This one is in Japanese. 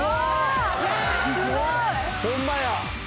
ホンマや。